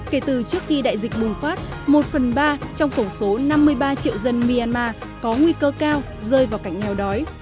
kể từ trước khi đại dịch bùng phát một phần ba trong tổng số năm mươi ba triệu dân myanmar có nguy cơ cao rơi vào cảnh nghèo đói